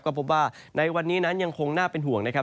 ก็จะมีการแผ่ลงมาแตะบ้างนะครับ